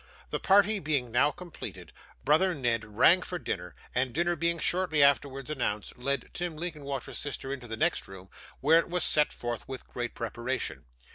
The party being now completed, brother Ned rang for dinner, and, dinner being shortly afterwards announced, led Tim Linkinwater's sister into the next room, where it was set forth with great preparation.